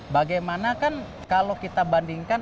bagaimana kan kalau kita bandingkan